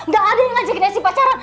gak ada yang ngajakin esi pacaran